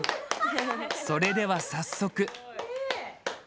それでは、早速。